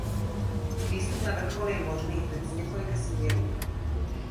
Výstup na vrchol je možný hned z několika směrů.